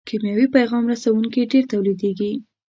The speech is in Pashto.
کیمیاوي پیغام رسوونکي ډېر تولیدیږي.